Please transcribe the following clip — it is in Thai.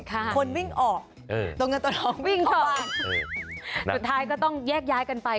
สุดท้ายก็ต้องแยกย้ายกันไป